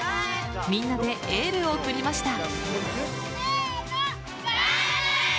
みんなでエールを送りました。